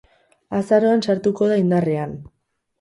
Azaroan sartuko da indarrean.